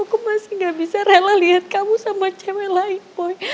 aku masih gak bisa rela lihat kamu sama cewek lain poin